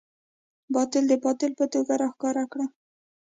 باطل د باطل په توګه راښکاره کړه.